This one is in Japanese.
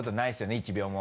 １秒も。